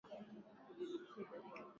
Uniletee nguo zangu